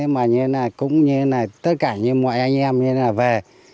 mà cũng như tất cả mọi anh em về